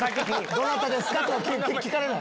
「どなたですか？」とか聞かれない。